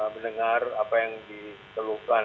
mendengar apa yang diperlukan